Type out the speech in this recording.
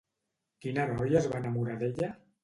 Quin heroi es va enamorar d'ella?